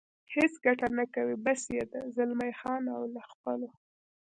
هېڅ ګټه نه کوي، بس یې ده، زلمی خان او له خپلو.